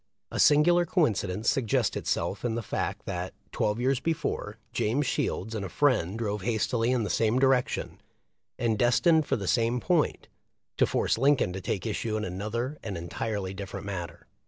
A singular coincidence suggests itself in the fact that, twelve years before, James Shields and a friend drove hastily in the same direction, and destined for the same point, to force Lincoln to take issue in another and entirely different matter.